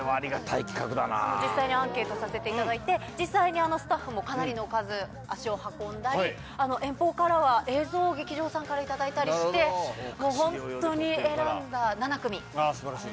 実際にアンケートさせていただいて、実際にスタッフもかなりの数、足を運んだり、遠方からは映像を劇場さんから頂いたりして、もう本当に選んだ７すばらしい。